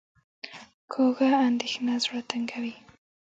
کوږه اندېښنه زړه تنګوي